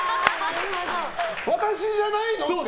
私じゃないの？って。